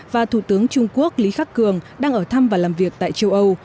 và thủ tướng trung quốc lý khắc cường đang ở thăm và làm việc tại châu âu